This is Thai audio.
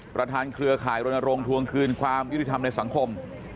ประธานเครือข่ายโรนโรงทวงคืนความยุทธิธรรมในสังคม